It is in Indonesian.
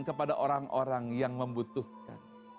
kepada orang orang yang membutuhkan